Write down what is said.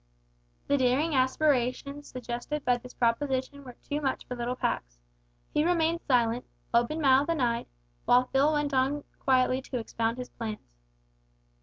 The daring aspirations suggested by this proposition were too much for little Pax. He remained silent open mouthed and eyed while Phil went on quietly to expound his plans.